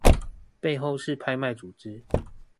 背後是拍賣組織